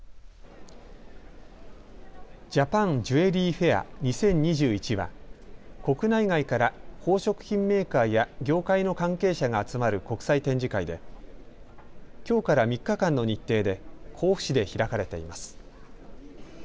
ジャパンジュエリーフェア２０２１は国内外から宝飾品メーカーや業界の関係者が集まる国際展示会できょうから３日間の日程で甲府市で開かれています。